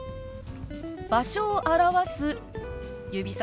場所を表す指さしです。